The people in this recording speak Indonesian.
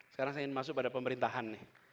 sekarang saya ingin masuk pada pemerintahan nih